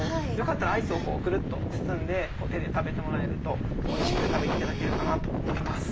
アイスをくるっと包んで手で食べてもらえるとおいしく食べていただけると思います。